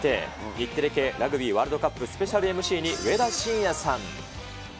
日テレ系ラグビーワールドカップスペシャルＭＣに、上田晋也さん。